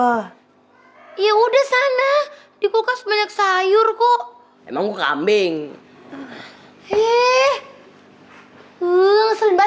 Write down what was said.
murommo iya udah sana di kulkas banyak sayur kok emang kambing hehehe uh selamat cuci dari